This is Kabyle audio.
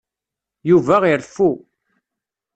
Yuba ireffu.